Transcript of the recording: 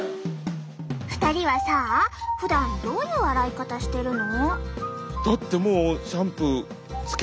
２人はさふだんどういう洗い方してるの？